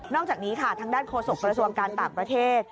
อกจากนี้ค่ะทางด้านโฆษกระทรวงการต่างประเทศ